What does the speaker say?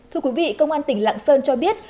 thưa quý vị công an tỉnh lạng sơn cho biết